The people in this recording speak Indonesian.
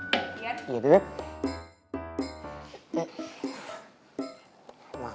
tidak ada yang bisa ngelanjutin hubungan kita